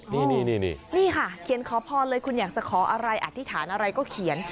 นี่ค่ะเขียนขอพรเลยคุณอยากจะขออะไรอธิษฐานอะไรก็เขียน